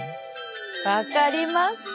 分かりますか？